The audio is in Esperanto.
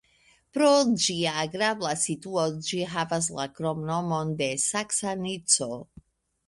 Pro ĝia agrabla situo ĝi havas la kromnomon de "Saksa Nico".